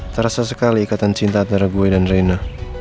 terasa sekali ikatan cinta antara gue dan reina